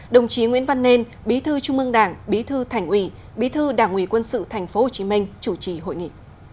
đồng chí nguyễn văn nên bí thư trung ương đảng bí thư thành ủy bí thư đảng ủy quân sự tp hcm chủ trì hội nghị